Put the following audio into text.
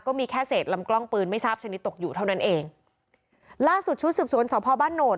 ก็มีแค่เศษลำกล้องปืนไม่ทราบชนิดตกอยู่เท่านั้นเองล่าสุดชุดสืบสวนสพบ้านโหนด